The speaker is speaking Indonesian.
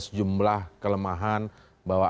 sejumlah kelemahan bahwa